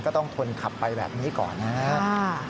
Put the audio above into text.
ก็ต้องทนขับไปแบบนี้ก่อนนะครับ